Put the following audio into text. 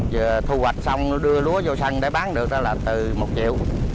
giờ thu hoạch xong đưa lúa vô sân để bán được đó là từ một triệu